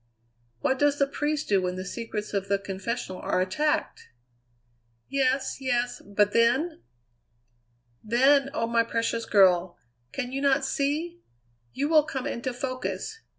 "What does the priest do when the secrets of the confessional are attacked?" "Yes, yes but then?" "Then oh! my precious girl! Can you not see? You will come into focus.